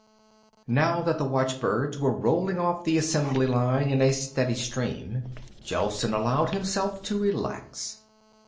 Now that the watchbirds were rolling off the assembly line in a steady stream, Gelsen allowed himself to relax.